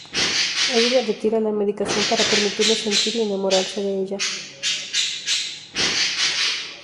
Ella le retira la medicación para permitirle sentir y enamorarse de ella.